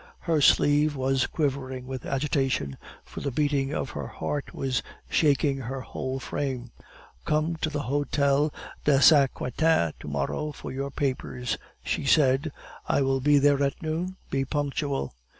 Her sleeve was quivering with agitation, for the beating of her heart was shaking her whole frame. "Come to the Hotel de Saint Quentin to morrow for your papers," she said. "I will be there at noon. Be punctual."